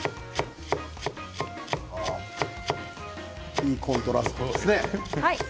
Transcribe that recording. いいコントラストですね。